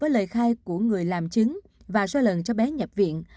lời khai của người làm chứng và so lần cho bé nhập viện